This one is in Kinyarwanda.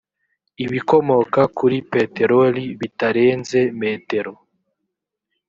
ibikomoka kuri peteroli bitarenze metero